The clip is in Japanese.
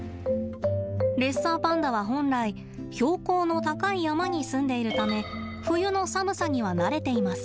レッサーパンダは本来標高の高い山に住んでいるため冬の寒さには慣れています。